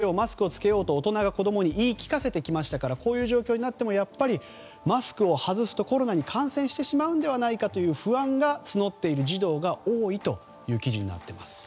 計１７人に上ったということですがこれだけマスクを着けよう、着けようと大人が子供に言い聞かせてきましたからこういう状況になってもやっぱりマスクを外すとコロナに感染してしまうのではないかという不安が募っている児童が多いという記事になっています。